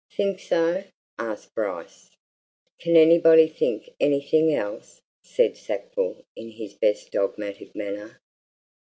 "Think so?" asked Bryce. "Can anybody think anything else?" said Sackville in his best dogmatic manner.